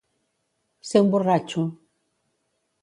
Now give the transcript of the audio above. Ser un borratxo.